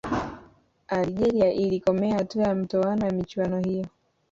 algeria ilikomea hatua ya mtoano ya michuano hiyo